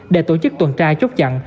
để tổ chức tuần trai chốt chặn